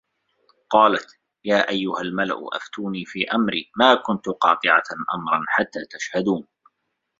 قالَت يا أَيُّهَا المَلَأُ أَفتوني في أَمري ما كُنتُ قاطِعَةً أَمرًا حَتّى تَشهَدونِ